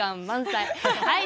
はい。